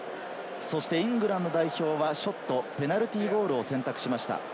イングランド代表はショットペナルティーゴールを選択しました。